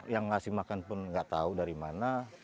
yang ngasih makan pun nggak tahu dari mana